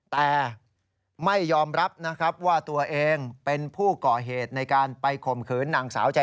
แต่ไม่ยอมรับนะครับว่าตัวเองเป็นผู้ก่อเหตุในการไปข่มขืนนางสาวใจ